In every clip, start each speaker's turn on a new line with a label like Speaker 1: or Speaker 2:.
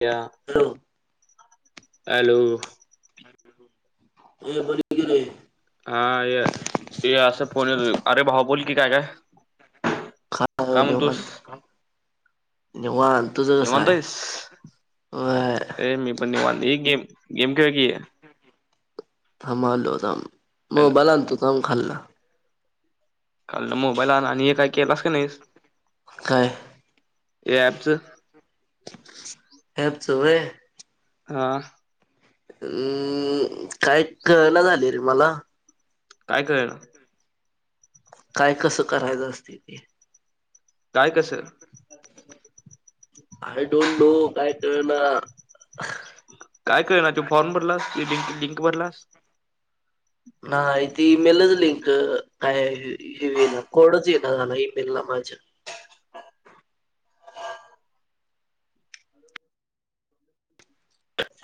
Speaker 1: व्वा
Speaker 2: hello
Speaker 1: hello
Speaker 2: hello बोल की रे
Speaker 1: हा ये ये असं फोन येईल अरे भाऊ बोल की काय काय काय
Speaker 2: खात नाही नि
Speaker 1: म्हणतोस
Speaker 2: म्हणत काय निवांत तुझं कसं
Speaker 1: निवांत
Speaker 2: आहे
Speaker 1: आहेस स
Speaker 2: व्हय
Speaker 1: ये मी पण निवांत एक गेम गेम खेळ की
Speaker 2: थांब आलो थांब हे
Speaker 1: हॅलो,
Speaker 2: बलां तू कोण खाल्ल
Speaker 1: खाल न मोबाईल आणला आणि हे काय केलास की नाहीस
Speaker 2: काय य
Speaker 1: ए आत चल
Speaker 2: हयाच होय
Speaker 1: हा अ
Speaker 2: हम् काय कळना झालय रे मला
Speaker 1: काय कळेलना
Speaker 2: काय कसं करायचं असतय ते
Speaker 1: काय कसं
Speaker 2: आ कर आय डोंट नो काय ते ना अ
Speaker 1: काय कर ना तू फॉर्म भरलास ती लिंक लिक भरलास
Speaker 2: नाही ते ईमेलच लिंक काय येईना कोडच येइना झालाय एकटया माझ्या झाला इईमेल ला माझ्या
Speaker 1: ठचा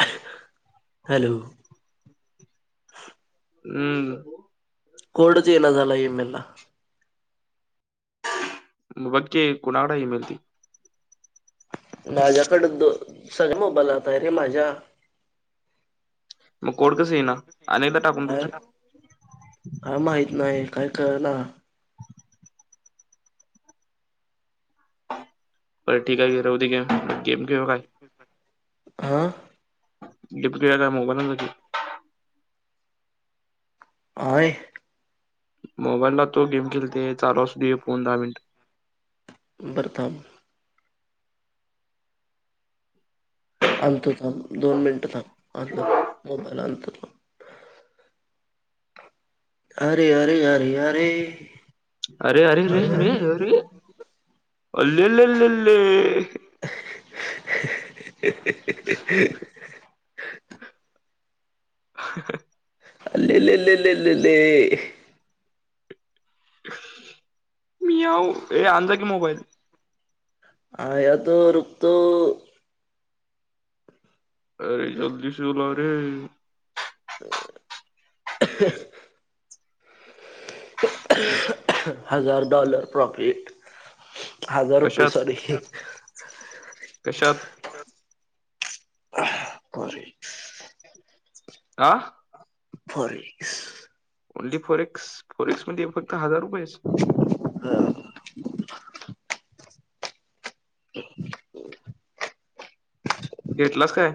Speaker 2: अ हॅलो अ
Speaker 1: हम् हम् अअअ
Speaker 2: कोड च येईना झालाय ईमेला
Speaker 1: बोल की कोणाकडे हे मिळतेय
Speaker 2: माझ्याकडे दो सगळे मोबाईल हयातय रे माझ्या
Speaker 1: मग कोड कसं येईना आणि एकदा टाकून बघ
Speaker 2: काय
Speaker 1: की
Speaker 2: काय माहितय नाही काही कळलना
Speaker 1: बर ठीक आहे ग राहू दे गेम गेम खेळू काय
Speaker 2: हां अ
Speaker 1: लिख दिया क्या मोबाईला मध्ये
Speaker 2: आये य
Speaker 1: मोबाईलला तो गेम खेळते आहे चालू असू दे फोन दहा मिनिट
Speaker 2: बरअतन आणतो थांब दोन मिनिट थांब आलो की मोबाईल आणतो की अरे अरे अरे अरे
Speaker 1: अरे अरेरे अरे अलेलेलले
Speaker 2: अल्ले ललेलले
Speaker 1: मी आ हे अधा की मोबाईल
Speaker 2: आा या तो रुखतो
Speaker 1: अरे चदीसल रे
Speaker 2: ह हजार डॉलर प्रॉफिट हजार रुपये
Speaker 1: कशात
Speaker 2: सॉरी
Speaker 1: कशात
Speaker 2: कर
Speaker 1: आ
Speaker 2: फरीस
Speaker 1: ओनली फोरेक्स फोरेक्स मध्ये फक्त हजार रुपयेच घेतलास काय.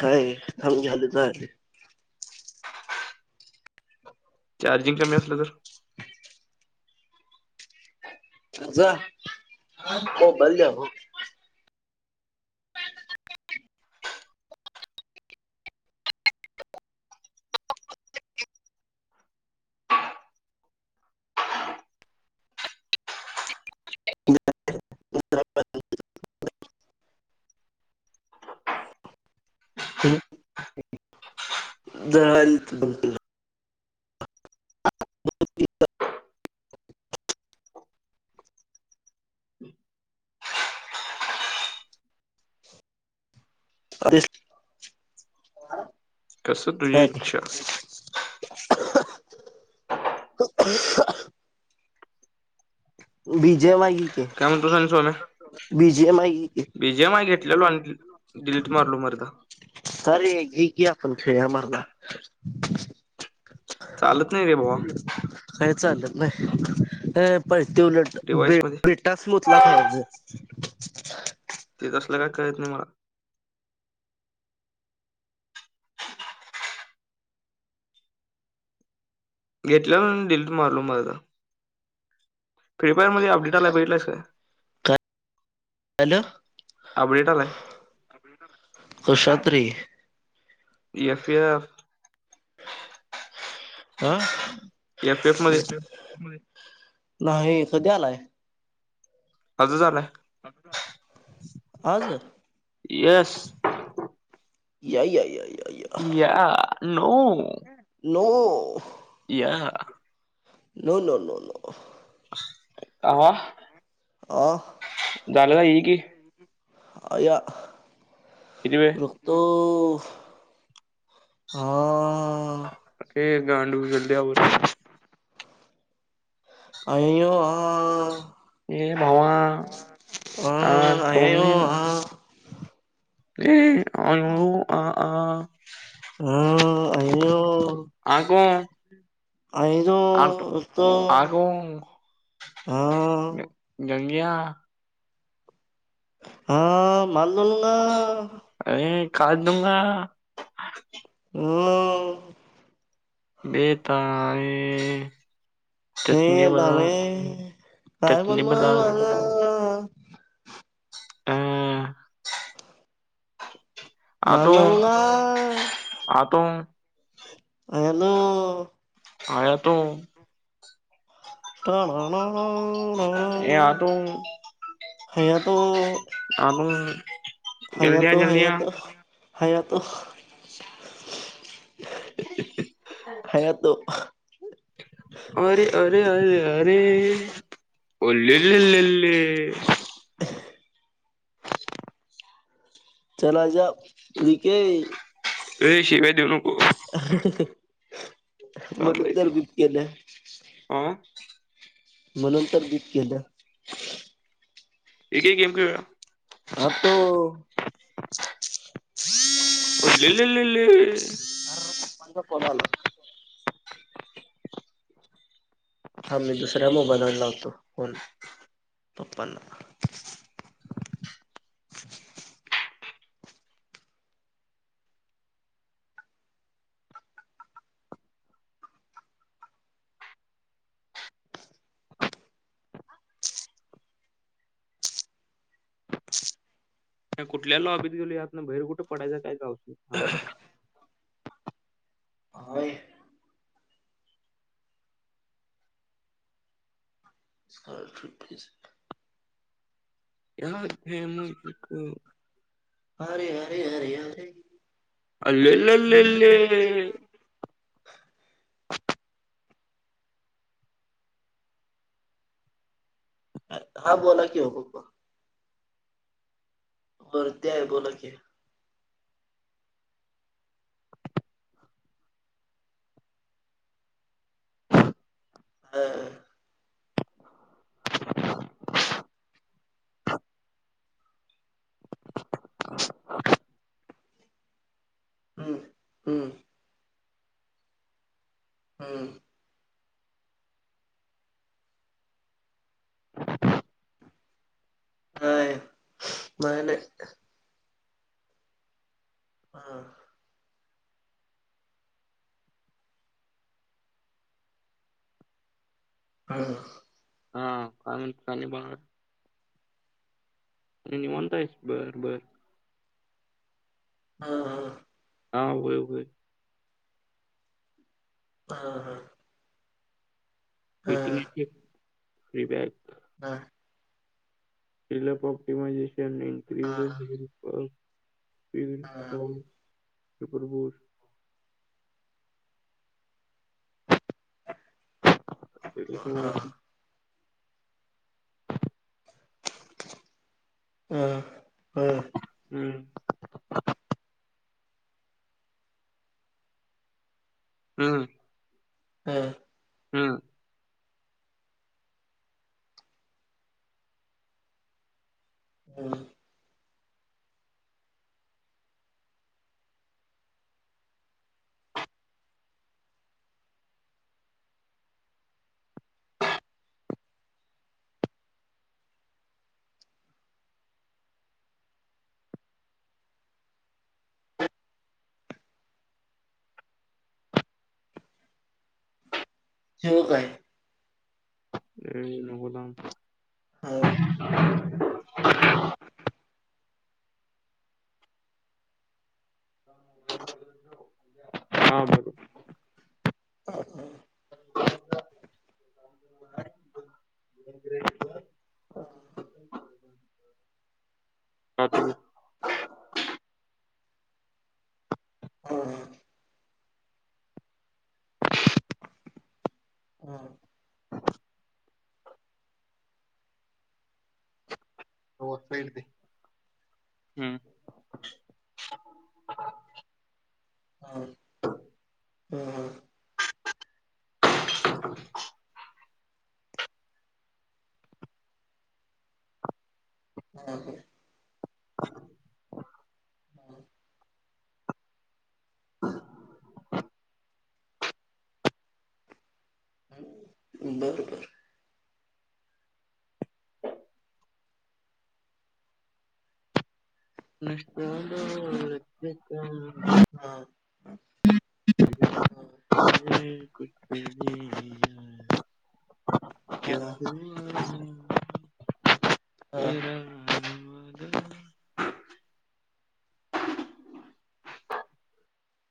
Speaker 2: काय थांब झाले [unintelligible]
Speaker 1: चार्जिंग कमी असलं तर
Speaker 2: आज्जा मोबाईल द्या ओ उत्तर प्रश [unintelligible] हम् ज बघ. हो. अरे
Speaker 1: कसं तुझी इच्छा
Speaker 2: [unintelligible] विजय वग
Speaker 1: काय म्हणतो सांग सोम्या
Speaker 2: विजय माग
Speaker 1: बीजेएम आय घेतलेलो आणि डिलीट मारलो मरदा
Speaker 2: अरे घी की आपण खेळूया मर्दा.
Speaker 1: चालत नाही रे भावा
Speaker 2: चाल नाही. पर ते
Speaker 1: डिव्हाइस
Speaker 2: उलटे
Speaker 1: मध्ये
Speaker 2: बेटाचमतला ख्यायच.
Speaker 1: ते तसलं काय कळत नाही मला घेतल्या म्ह डिलीट मारलो मगता प्रिपेयर मध्ये अपडेटला भेटलायच.
Speaker 2: हॅलो कशात रे.
Speaker 1: याफयाफ
Speaker 2: हा
Speaker 1: एफ एफ मध्ये
Speaker 2: नाही. कध आलाय.
Speaker 1: आजं झालंय.
Speaker 2: आज
Speaker 1: येस
Speaker 2: याय याय याय याय
Speaker 1: या नऊ.
Speaker 2: नो
Speaker 1: या.
Speaker 2: नो नो नो नो
Speaker 1: आवा.
Speaker 2: आ
Speaker 1: गलं ह हई की
Speaker 2: आ
Speaker 1: किती वेळ
Speaker 2: रक्त हा.
Speaker 1: ते गांडु चलद बर
Speaker 2: आय यो आ
Speaker 1: ए भावाा आ
Speaker 2: अयो आ
Speaker 1: तणंद [unintelligible] ए अ अ अ
Speaker 2: हा अईनो
Speaker 1: आगो
Speaker 2: अईनो
Speaker 1: आगो
Speaker 2: उतो
Speaker 1: गंगया
Speaker 2: हा मनदोल ना
Speaker 1: अरे काय दुंग
Speaker 2: हम.
Speaker 1: बेता आहे.
Speaker 2: हे आता रे काय पण
Speaker 1: चटनी
Speaker 2: म
Speaker 1: बना
Speaker 2: माझा
Speaker 1: अ आतो
Speaker 2: बणला.
Speaker 1: आतो आ तो
Speaker 2: प्रला ना
Speaker 1: ए हा तो
Speaker 2: ह या तो
Speaker 1: अ
Speaker 2: हया तो हया तो हाया तो
Speaker 1: अरे अरे अरे अरे उलललली
Speaker 2: चलाज वके
Speaker 1: र शिवाय देऊ नक
Speaker 2: म्हणून तर
Speaker 1: चची
Speaker 2: बीप केलं
Speaker 1: आं
Speaker 2: म्हणून तर बीत गलं
Speaker 1: एक एक केेम खेळया
Speaker 2: हा तो हम्म
Speaker 1: लिली लिली
Speaker 2: मज पधला हा मी दुसऱ्या मोबाईलावर लावतो फन पप्पांना
Speaker 1: कुठल्या लो हबीत गेलो यात ना बैर कुठं पडायचं काय गऊ हा इथे
Speaker 2: ट्रपीज
Speaker 1: या फ मक
Speaker 2: अरे अरे अरे अरे
Speaker 1: अले ललले
Speaker 2: हा बोला कि हो गप वरत्याय बोला क हा हम्म हम्म हम्म नाही नाही नाही हा हा
Speaker 1: हा काय म्हणत नाही बा आणि म्हणता येईस बर बर
Speaker 2: हा हा
Speaker 1: हा वय होय
Speaker 2: हा हा हा
Speaker 1: फबॅक
Speaker 2: हा हा हा
Speaker 1: [inaudible] [inaudible]
Speaker 2: हा
Speaker 1: [inaudible]
Speaker 2: हा हा
Speaker 1: हम्म. अं.
Speaker 2: ह.
Speaker 1: हं.
Speaker 2: हेव काय?
Speaker 1: ये नको थांब.
Speaker 2: हा हा
Speaker 1: हा बर. [unintelligible]
Speaker 2: हा हा. हा हा हा. हा का? बरोबर.
Speaker 1: [inaudible]
Speaker 2: हा. हा हा
Speaker 1: [inaudible]
Speaker 2: हा